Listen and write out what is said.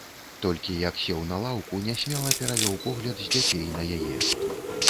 Толькі, як сеў на лаўку, нясмела перавёў погляд з дзяцей на яе.